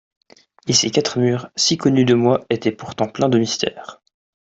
Et ces quatre murs, si connus de moi, étaient pourtant pleins de mystère.